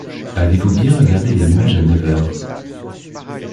Avez-vous bien regardé les nuages à neuf heures?